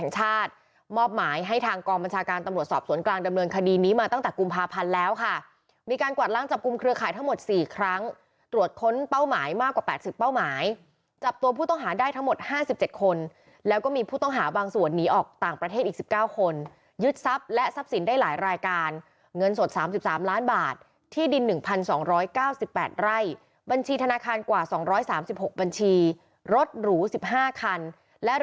ชาติมอบหมายให้ทางกองบัญชาการตำรวจสอบสวนกลางดำเนินคดีนี้มาตั้งแต่กุมภาพันธ์แล้วค่ะมีการกวาดล้างจับกุมเครือข่ายทั้งหมดสี่ครั้งตรวจค้นเป้าหมายมากกว่าแปดสิบเป้าหมายจับตัวผู้ต้องหาได้ทั้งหมดห้าสิบเจ็ดคนแล้วก็มีผู้ต้องหาบางส่วนนี้ออกต่างประเทศอีกสิบเก้าคนยึดทรัพย์และท